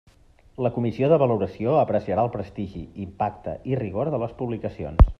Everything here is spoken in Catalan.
La Comissió de Valoració apreciarà el prestigi, impacte i rigor de les publicacions.